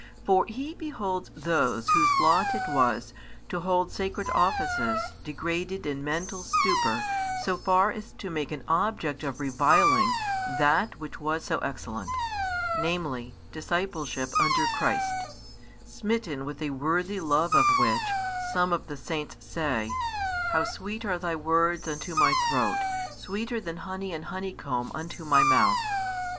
For he beholds those whose lot it was to hold sacred offices degraded in mental stupor so far as to make an object of reviling that which was so excellent, namely discipleship under Christ; smitten with a worthy love of which, some of the saints say: How sweet are Thy words unto my throat, sweeter than honey and honeycomb unto my mouth.